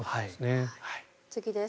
次です。